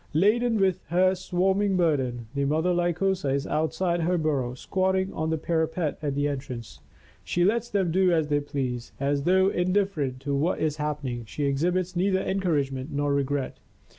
Laden with her swarming burden, the mother Lycosa is outside her burrow, squatting on the parapet at the entrance. She lets them do as they please, as though in different to what is happening, she exhibits neither encouragement nor regret.